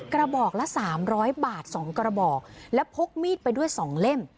กระบอกละสามร้อยบาทสองกระบอกแล้วพกมีดไปด้วยสองเล่ม